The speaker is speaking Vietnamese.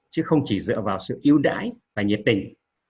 chứ không chỉ dựa vào sự yêu đãi và nhiệt tình